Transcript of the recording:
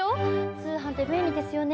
通販って便利ですよね。